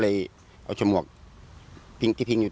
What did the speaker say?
สู้ไม่ไหวมันดึงเราแรงมาก